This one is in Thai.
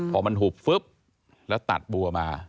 พอมันหุบฟึ๊บแล้วตัดบัวมา